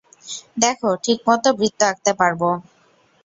দেখো, ঠিকমতো বৃত্ত আঁকতে পারব।